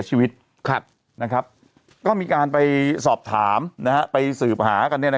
ชีวิตครับนะครับก็มีการไปสอบถามนะไปสืบหากันเนี้ยนะ